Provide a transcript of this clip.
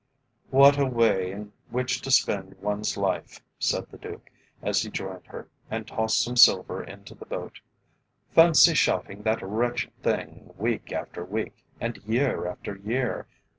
"What a way in which to spend one's life," said the Duke, as he joined her, and tossed some silver into the boat. "Fancy shouting that wretched thing, week after week, and year after year!